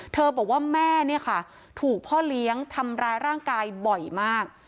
บอกว่าแม่เนี่ยค่ะถูกพ่อเลี้ยงทำร้ายร่างกายบ่อยมาก